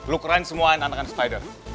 lu kerain semua angan angan spider